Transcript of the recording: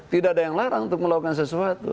tidak ada yang larang untuk melakukan sesuatu